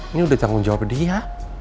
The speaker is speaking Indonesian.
ini udah tanggung jawab dia